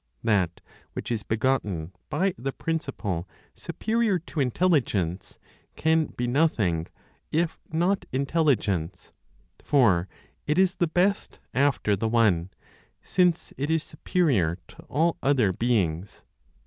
That which is begotten by the Principle superior to Intelligence can be nothing if not Intelligence; for it is the best after the One, since it is superior to all other beings.